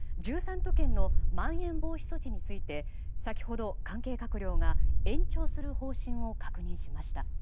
１３都県のまん延防止措置について先ほど、関係閣僚が延長する方針を確認しました。